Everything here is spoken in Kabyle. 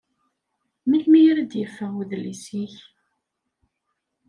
Melmi ara d-yeffeɣ wedlis-ik?